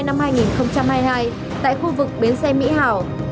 ngày một mươi năm tháng một mươi hai năm hai nghìn hai mươi hai tại khu vực bến xe mỹ hảo